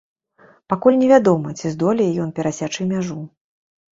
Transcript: Пакуль невядома, ці здолее ён перасячы мяжу.